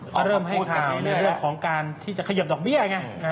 ก็เริ่มให้ในเรื่องของการที่จะเขยิบดอกเบี้ยไง